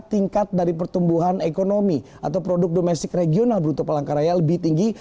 tingkat dari pertumbuhan ekonomi atau produk domestik regional bruto palangkaraya lebih tinggi